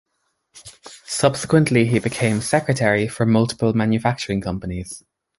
Subsequently he became secretary for multiple manufacturing companies.